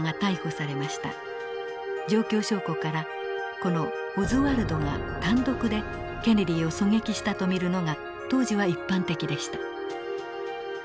状況証拠からこのオズワルドが単独でケネディを狙撃したと見るのが当時は一般的でした。